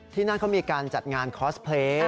ที่นั่นเขามีการจัดงานคอสเพลย์